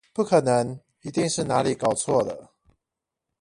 不可能，一定是哪裡搞錯了！